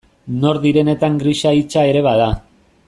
Nor direnetan grisa hitsa ere bada.